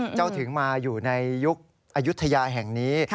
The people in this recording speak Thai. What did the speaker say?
เจ้าถึงมาอยู่อายุธยาแห่งนี้